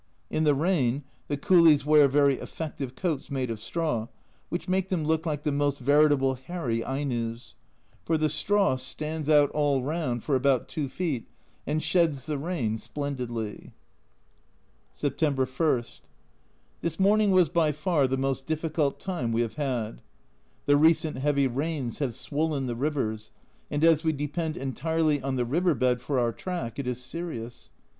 In the rain the coolies wear very effective coats made of straw, which make them look like the most veritable hairy Ainos ; for the straw stands out a ^ W O w 2 < h ^ z 2 ^ oo 2 o 55 ^^ w > H 5 w A Journal from Japan 21 all round for about 2 feet, and sheds the rain splendidly. September I. This morning was by far the most difficult time we have had. The recent heavy rains have swollen the rivers, and as we depend entirely on the river bed for our track, it is serious.